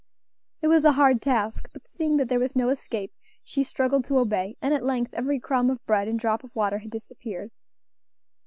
It was a hard task, but seeing that there was no escape, she struggled to obey, and at length every crumb of bread and drop of water had disappeared.